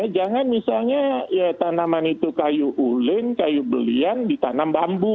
jangan misalnya ya tanaman itu kayu ulin kayu belian ditanam bambu